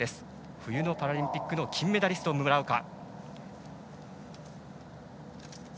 冬のパラリンピックの金メダリストの村岡。